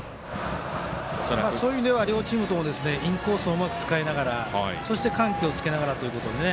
そういう意味では両チームともインコースをうまく使いながらそして、緩急をつけながらということでね。